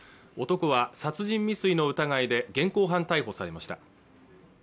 男は殺人未遂の疑いで現行犯逮捕されました